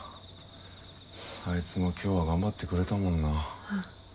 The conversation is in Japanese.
あいつも今日は頑張ってくれたもんな。